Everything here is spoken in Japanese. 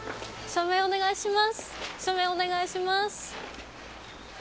署名お願いします。